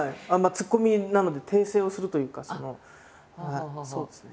ツッコミなので訂正をするというかそのそうですね。